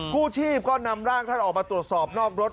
กู้ชีพก็นำร่างท่านออกมาตรวจสอบนอกรถ